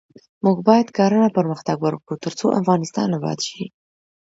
موږ باید کرنه پرمختګ ورکړو ، ترڅو افغانستان اباد شي.